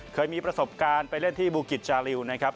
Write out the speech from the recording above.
เคยมีประสบการณ์ไปเล่นที่บูกิจจาริวนะครับ